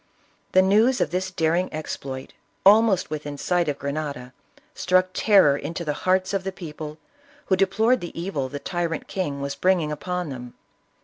The news of this daring exploit almost within sight of Grenada, struck terror into the hearts of the people, who deplored the evil the tyrant king was bringing upon them.